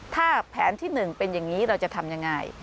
ถ้าแผนที่หนึ่งเป็นอย่างนี้เราจะทำอย่างไร